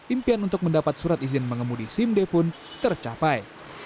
impian untuk mendapat surat izin mengemudi simd pun tercapai